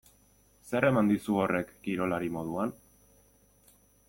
Zer eman dizu horrek kirolari moduan?